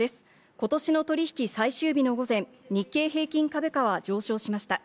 今年の取引最終日の午前、日経平均株価は上昇しました。